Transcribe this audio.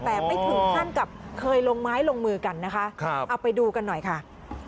แต่ไม่ถึงขั้นกับเคยลงไม้ลงมือกันนะคะเอาไปดูกันหน่อยค่ะ